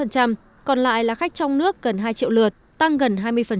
còn lại là khách trong nước gần hai triệu lượt tăng gần hai mươi